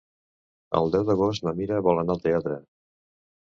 El deu d'agost na Mira vol anar al teatre.